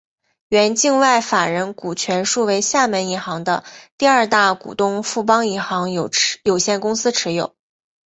原境外法人股全数为厦门银行的第二大股东富邦银行有限公司持有。